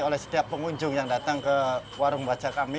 oleh setiap pengunjung yang datang ke warung baca kami